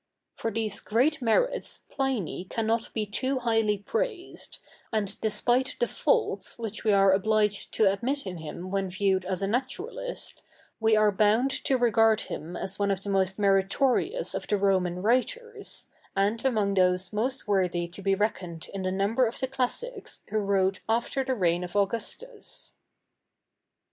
For these great merits Pliny cannot be too highly praised, and despite the faults which we are obliged to admit in him when viewed as a naturalist, we are bound to regard him as one of the most meritorious of the Roman writers, and among those most worthy to be reckoned in the number of the classics who wrote after the reign of Augustus."